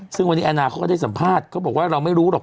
ซึ่งวันนี้แอนนาเขาก็ได้สัมภาษณ์เขาบอกว่าเราไม่รู้หรอก